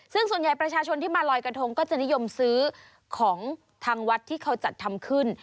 ซึ่งส่วนใหญ่ประชาชนที่มาลอยกระทงก็จะนิยมซื้อของทางวัดที่เขาจัดทำขึ้น